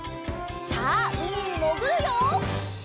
さあうみにもぐるよ！